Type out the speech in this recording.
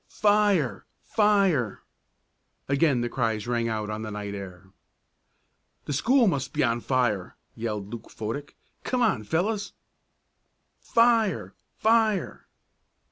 "Fire! Fire!" Again the cries rang out on the night air. "The school must be on fire!" yelled Luke Fodick. "Come on, fellows!" "Fire! Fire!"